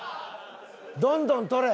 どんどん撮れ！